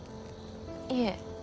いえ。